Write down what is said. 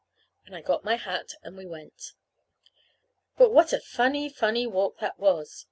And I got my hat, and we went. But what a funny, funny walk that was!